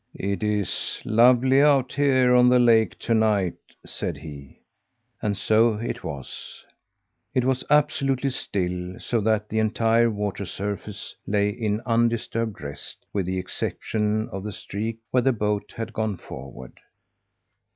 "It is lovely out here on the lake to night," said he. And so it was. It was absolutely still, so that the entire water surface lay in undisturbed rest with the exception of the streak where the boat had gone forward.